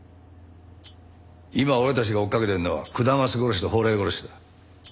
今俺たちが追いかけてるのは下松殺しと宝来殺しだ。